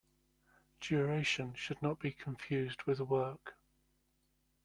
Duration should not be confused with work.